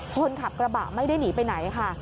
คนขับกระบะไม่ได้หนีไปไหนค่ะ